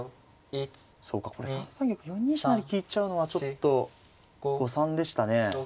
そうかこれ３三玉４二飛車成利いちゃうのはちょっと誤算でしたね。